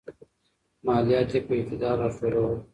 ماليات يې په اعتدال راټولول.